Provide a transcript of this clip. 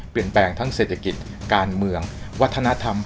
ทั้งแปลงทั้งเศรษฐกิจการเมืองวัฒนธรรม